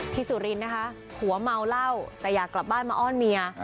สุรินทร์นะคะผัวเมาเหล้าแต่อยากกลับบ้านมาอ้อนเมีย